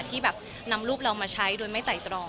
ที่แบบนำรูปเรามาใช้โดยไม่ไต่ตรอง